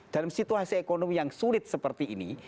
dalam situasi ekonomi yang sulit seperti ini